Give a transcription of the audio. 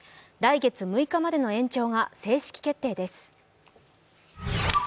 来月６日までの延長が正式決定です